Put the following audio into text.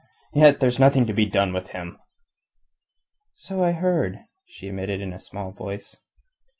Yet there's nothing to be done with him." "So I heard," she admitted in a small voice.